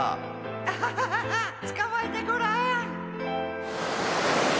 アハハつかまえてごらん。